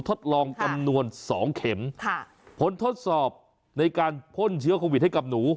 ทดลองจำนวนสองเข็มค่ะผลทดสอบในการพ่นเชื้อโควิดให้กับหนู